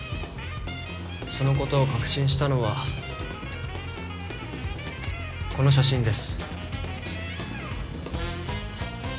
そのことを確信したのはこの写真です。